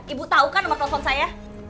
ibu tau kan nomer telepon saya